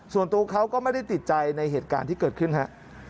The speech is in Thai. ส่วนตัวเขาก็ไม่ได้ติดใจในเหตุการณ์ที่เกิดขึ้นฮะ